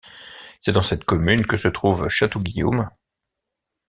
C'est dans cette commune que se trouve Château-Guillaume.